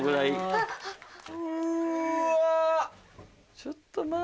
ちょっとまぁ。